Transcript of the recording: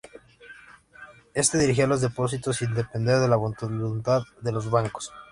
Éste dirigía los depósitos sin depender de la voluntad de los bancos.